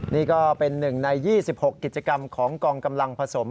นี่ก็เป็น๑ใน๒๖กิจกรรมของกองกำลังผสม